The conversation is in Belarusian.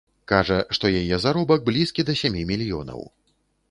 Кажа, што яе заробак блізкі да сямі мільёнаў.